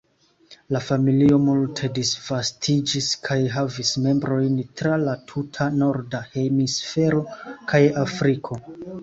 La familio multe disvastiĝis kaj havis membrojn tra la tuta norda hemisfero kaj Afriko.